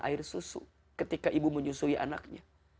air susu ketika ibu menyusui anaknya